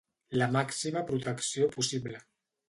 La màxima protecció possible.